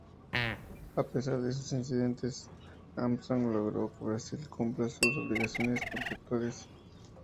A pesar de esos incidentes, Armstrong logró que Brasil cumpla con sus obligaciones contractuales.